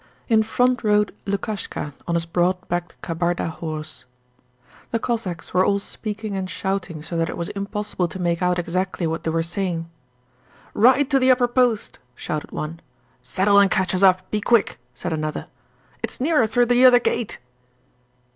In front rode Lukashka on his broad backed Kabarda horse. The Cossacks were all speaking and shouting so that it was impossible to make out exactly what they were saying. 'Ride to the Upper Post,' shouted one. 'Saddle and catch us up, be quick,' said another. 'It's nearer through the other gate!'